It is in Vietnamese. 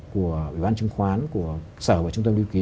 của ủy ban chứng khoán của sở và trung tâm lưu ký